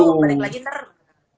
karena itu menurutku